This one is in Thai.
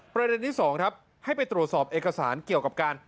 ประเด็นที่๒ครับให้ไปตรวจสอบเอกสารเกี่ยวกับการ